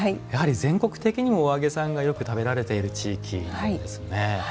やはり全国的にもお揚げさんがよく食べられている地域なんですね。